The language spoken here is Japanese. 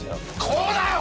こうだよ！